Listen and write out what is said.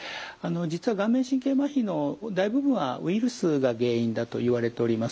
実は顔面神経まひの大部分はウイルスが原因だといわれております。